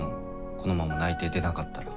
このまま内定出なかったら。